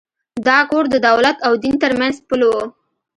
دا کور د دولت او دین تر منځ پُل و.